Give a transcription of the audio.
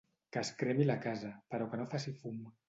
Que es cremi la casa, però que no faci fum.